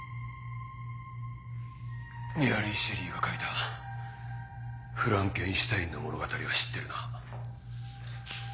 メアリー・シェリーが書いた『フランケンシュタイン』の物語は知ってるな？